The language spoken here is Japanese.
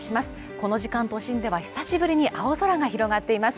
この時間都心では久しぶりに青空が広がっています。